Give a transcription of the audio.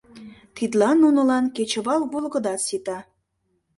Тидлан нунылан кечывал волгыдат сита.